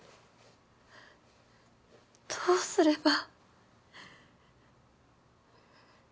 どうすれば。